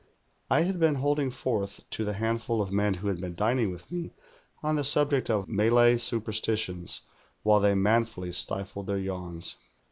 I had been holding forth to the handful of men who had been dining with me on the subject of ^lalay superstitions, while they manfully stifled their yawns.